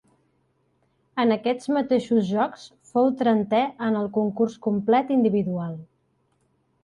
En aquests mateixos Jocs fou trentè en el concurs complet individual.